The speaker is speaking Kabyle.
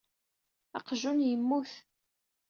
Aqjun yemmut.